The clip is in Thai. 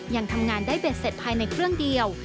ยังทำงานได้เบ็ดเสร็จภายในเครื่องเดียว